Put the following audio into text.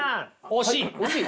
惜しい？